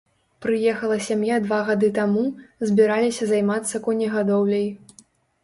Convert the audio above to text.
Прыехала сям'я два гады таму, збіраліся займацца конегадоўляй.